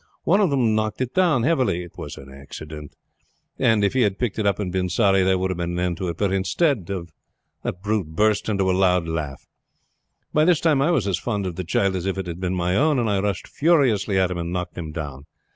One of them knocked it down heavily. It was an accident, and if he had picked it up and been sorry, there would have been an end of it; but instead of that the brute burst into a loud laugh. By this time I was as fond of the child as if it had been my own, and I rushed furiously at him and knocked him down.